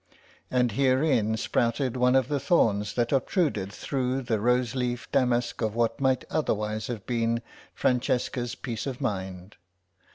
And herein sprouted one of the thorns that obtruded through the rose leaf damask of what might otherwise have been Francesca's peace of mind.